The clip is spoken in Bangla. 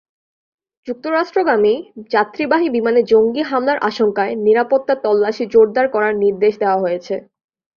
যুক্তরাষ্ট্রগামী যাত্রীবাহী বিমানে জঙ্গি হামলার আশঙ্কায় নিরাপত্তা তল্লাশি জোরদার করার নির্দেশ দেওয়া হয়েছে।